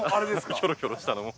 ヒョロヒョロしたのも。